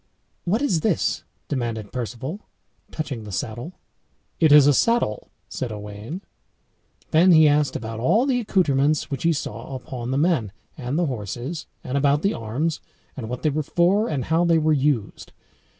"What is this?" demanded Perceval, touching the saddle. "It is a saddle," said Owain. Then he asked about all the accoutrements which he saw upon the men and the horses, and about the arms, and what they were for, and how they were used.